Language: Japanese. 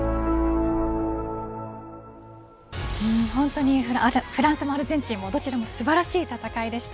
本当にフランスもアルゼンチンもどちらも素晴らしい戦いでした。